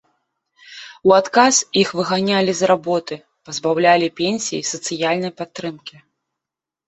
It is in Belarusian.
У адказ іх выганялі з работы, пазбаўлялі пенсій і сацыяльнай падтрымкі.